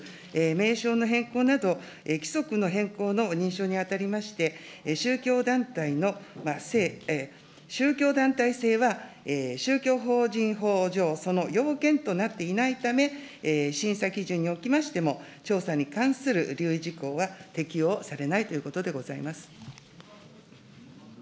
名称の変更など、規則の変更の認証にあたりまして、宗教団体の、宗教団体性は宗教法人法上、その要件となっていないため、審査基準におきましても、調査に関する留意事項は適用されないということでございます。